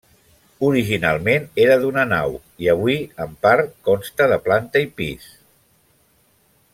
Originalment era d'una nau i avui, en part, consta de planta i pis.